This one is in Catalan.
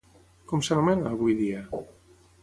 Com s'anomena, avui dia?